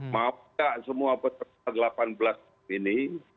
mau tidak semua peserta delapan belas ini